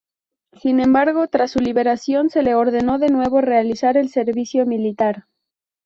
Sin embargo, tras su liberación, se le ordenó de nuevo realizar el servicio militar.